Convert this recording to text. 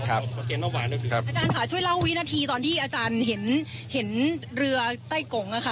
อาจารย์ขาช่วยเล่าวินาทีตอนที่อาจารย์เห็นเรือใต้กงค่ะค่ะ